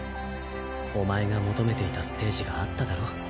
お前が求めていたステージがあっただろ？